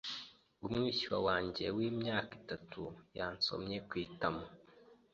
Umwishywa wanjye w'imyaka itatu yansomye ku itama.